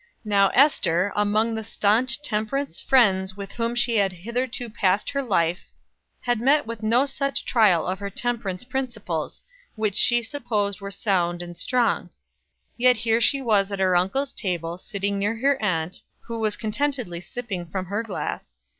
Now Ester, among the stanch temperance friends with whom she had hitherto passed her life, had met with no such trial of her temperance principles, which she supposed were sound and strong; yet here she was at her uncle's table, sitting near her aunt, who was contentedly sipping from her glass.